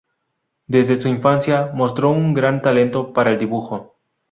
Desde su infancia mostró un gran talento para el dibujo.